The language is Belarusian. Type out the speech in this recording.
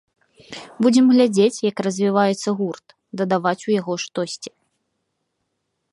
Будзем глядзець, як развіваецца гурт, дадаваць у яго штосьці.